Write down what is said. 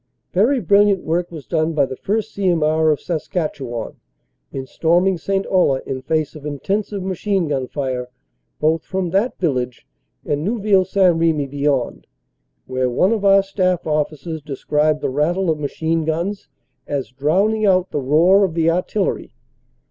Very brilliant work was done by the 1st. C. M. R., of Saskatchewan, in storming St. Olle in face of intensive machine gun fire both from that village and Neuville St. Remy beyond, where one of our staff officers described the rattle of machine guns as drowning out the roar of the artillery.